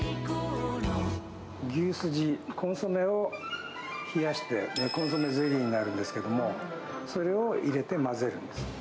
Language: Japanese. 牛すじコンソメを冷やして、コンソメゼリーになるんですけれども、それを入れて混ぜるんです。